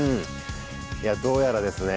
どうやらですね